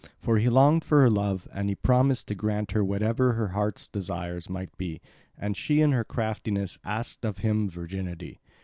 For he longed for her love, and he promised to grant her whatever her hearts desire might be. And she in her craftiness asked of him virginity.